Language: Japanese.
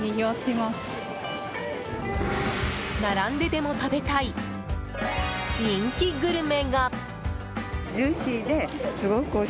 並んででも食べたい人気グルメが！